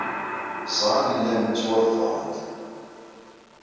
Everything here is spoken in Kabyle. Ẓran llan ttwaḍefren-d.